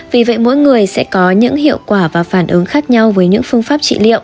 vì vậy mỗi người sẽ có những hiệu quả và phản ứng khác nhau với những phương pháp trị liệu